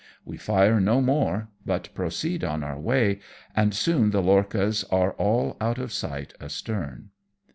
We fire no more but proceed on our way, and soon the lorchas are all out of sight astern.